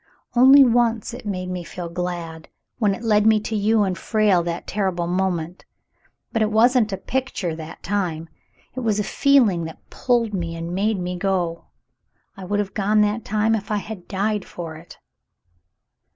Only once it made me feel glad — when it led me to you and Frale that terrible moment. But it wasn't a picture that time; it was a feeling that pulled me and made me go. I would have gone that time if I had died for it."